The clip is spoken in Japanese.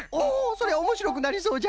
それおもしろくなりそうじゃ！